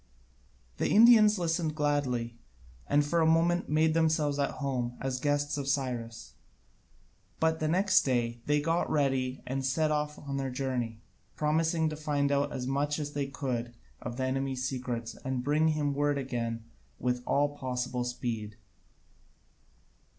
The Indians listened gladly, and for the moment made themselves at home as the guests of Cyrus: but the next day they got ready and set off on their journey, promising to find out as much as they could of the enemy's secrets and bring him word again with all possible speed.